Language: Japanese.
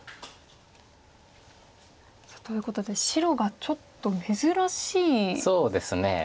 ということで白がちょっと珍しい打ち方ですか？